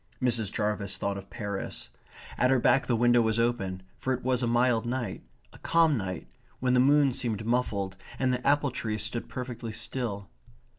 Mrs. Jarvis thought of Paris. At her back the window was open, for it was a mild night; a calm night; when the moon seemed muffled and the apple trees stood perfectly still.